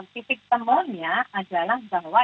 titik semuanya adalah bahwa